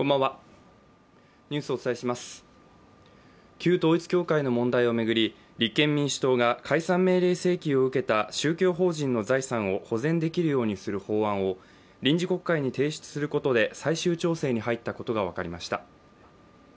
旧統一教会の問題を巡り、立憲民主党が解散命令請求を受けた宗教法人の財産を保全できるようにする法案を臨時国会に提出することで最終調整に入ったことが分かりました。